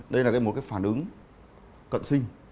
đây là một phản ứng cận sinh